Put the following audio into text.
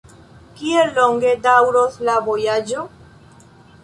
Kiel longe daŭros la vojaĝo?